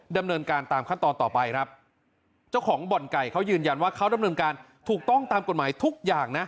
ดำเนินการตามขั้นตอนต่อไปครับเจ้าของบ่อนไก่เขายืนยันว่าเขาดำเนินการถูกต้องตามกฎหมายทุกอย่างนะ